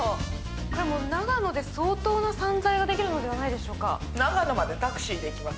これ長野で相当な散財ができるのではないでしょうか？